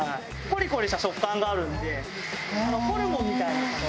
コリコリした食感があるのでホルモンみたいな感じ。